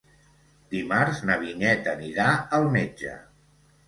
Dimarts na Vinyet anirà al metge.